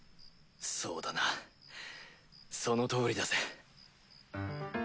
そうだなその通りだぜ。